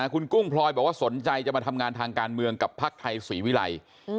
คุณกุ้งพลอยบอกว่าสนใจจะมาทำงานทางการเมืองกับภักดิ์ไทยศรีวิรัย